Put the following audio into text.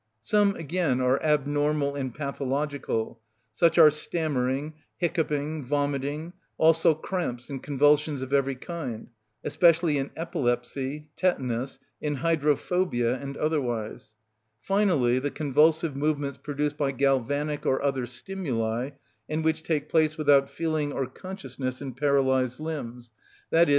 Some, again, are abnormal and pathological; such are stammering, hiccoughing, vomiting, also cramps and convulsions of every kind, especially in epilepsy, tetanus, in hydrophobia and otherwise; finally, the convulsive movements produced by galvanic or other stimuli, and which take place without feeling or consciousness in paralysed limbs, _i.e.